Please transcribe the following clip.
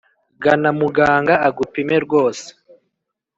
gana muganga agupime rwose